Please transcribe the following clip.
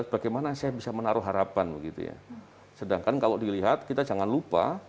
bagaimana saya bisa menaruh harapan begitu ya sedangkan kalau dilihat kita jangan lupa